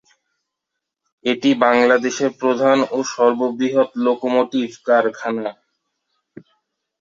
এটি বাংলাদেশের প্রধান ও সর্ববৃহৎ লোকোমোটিভ কারখানা।